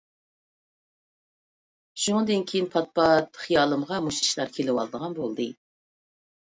شۇندىن كېيىن پات-پات خىيالىمغا مۇشۇ ئىشلار كېلىۋالىدىغان بولدى.